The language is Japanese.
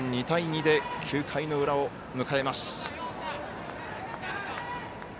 ２対２で９回の裏を迎えます。